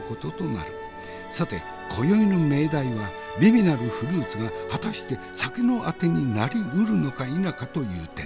さて今宵の命題は美味なるフルーツが果たして酒のあてになりうるのか否かという点。